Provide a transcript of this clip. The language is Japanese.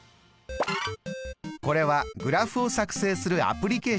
これはグラフを作成するアプリケーションです。